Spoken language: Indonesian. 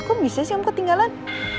kok bisa sih emang ketinggalan